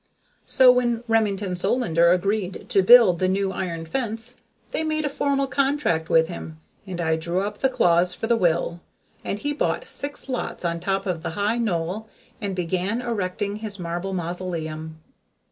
So when Remington Solander agreed to build the new iron fence they made a formal contract with him, and I drew up the clause for the will, and he bought six lots on top of the high knoll and began erecting his marble mausoleum.